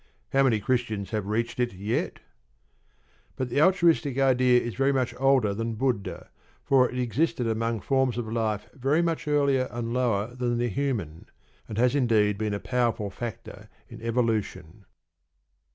How many Christians have reached it yet? But the altruistic idea is very much older than Buddha, for it existed among forms of life very much earlier and lower than the human, and has, indeed, been a powerful factor in evolution.